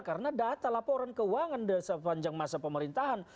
karena data laporan keuangan sepanjang masa pemerintahan